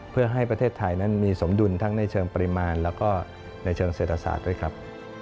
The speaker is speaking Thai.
เพื่อให้ประเทศไทยนั้นมีสมดุลทั้งในเชิงปริมาณแล้วก็ในเชิงเศรษฐศาสตร์ด้วยครับ